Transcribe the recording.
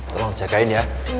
tolong jagain ya